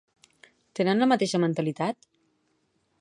Tenen la mateixa mentalitat?